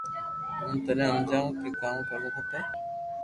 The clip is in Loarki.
ھون ٽني ھمجاو ڪي ڪاو ڪرو کپي